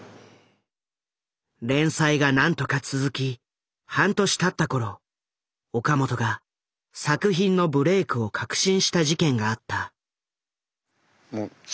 連載が何とか続き半年たった頃岡本が作品のブレークを確信した事件があった。